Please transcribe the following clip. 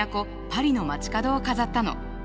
パリの街角を飾ったの。